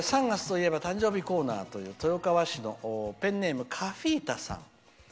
３月といえば誕生日コーナーという豊川市の、ペンネームカフィータさん。